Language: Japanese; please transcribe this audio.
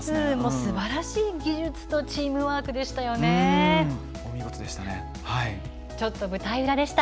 すばらしい技術とチームワークでした。